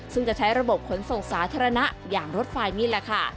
ซึ่งจะใช้ระบบขนส่งศาฬณะอย่างรถไฟมิลล่ะค่ะ